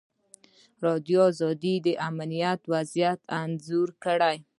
ازادي راډیو د امنیت وضعیت انځور کړی.